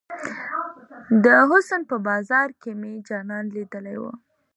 د حسن په بازار کې مې جانان ليدلی وه.